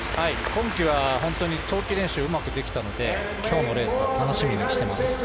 今季は冬季練習をうまくできたので今日のレースは楽しみにしてます。